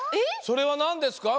それはなんですか？